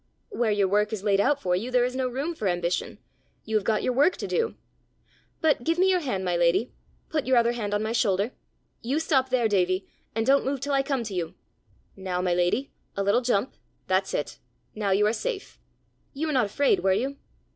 "Where your work is laid out for you, there is no room for ambition: you have got your work to do! But give me your hand, my lady; put your other hand on my shoulder. You stop there, Davie, and don't move till I come to you. Now, my lady a little jump! That's it! Now you are safe! You were not afraid, were you?"